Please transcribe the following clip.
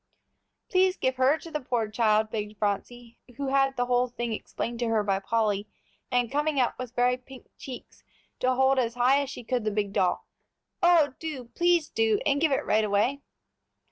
"Please give her to the poor child," begged Phronsie, who had the whole thing explained to her by Polly, and coming up with very pink cheeks to hold as high as she could the big doll. "Oh, do, please do, and give it right away."